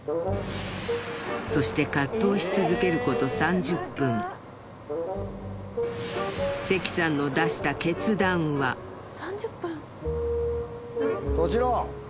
そして葛藤し続けること３０分関さんの出した決断は閉じろ！